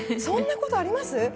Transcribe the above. そんなことあります？